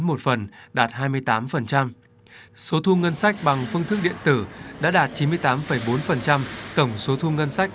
một phần đạt hai mươi tám số thu ngân sách bằng phương thức điện tử đã đạt chín mươi tám bốn tổng số thu ngân sách